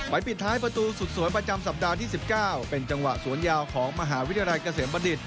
ปิดท้ายประตูสุดสวยประจำสัปดาห์ที่๑๙เป็นจังหวะสวนยาวของมหาวิทยาลัยเกษมบัณฑิต